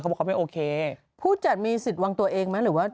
บอกเขาไม่โอเคผู้จัดมีสิทธิ์วางตัวเองไหมหรือว่า